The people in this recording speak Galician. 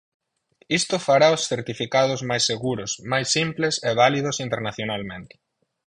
Isto fará os certificados máis seguros, máis simples, e válidos internacionalmente.